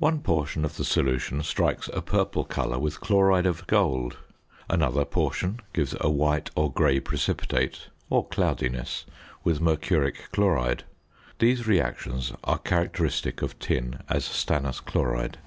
One portion of the solution strikes a purple colour with chloride of gold, another portion gives a white or grey precipitate or cloudiness with mercuric chloride. These reactions are characteristic of tin as stannous chloride.